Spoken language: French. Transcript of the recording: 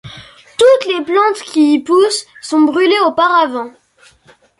Toutes les plantes qui y poussent sont brûlées auparavant.